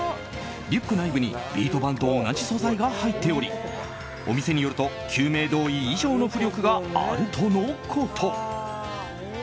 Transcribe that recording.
リュック内部にビート板と同じ素材が入っておりお店によると救命胴衣以上の浮力があるとのこと。